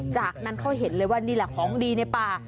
จากนั้นเขาเห็นเลยว่านี่แหละของดีในป่า